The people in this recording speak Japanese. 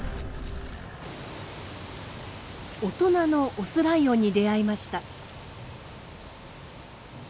大人のオスライオンに出会いました。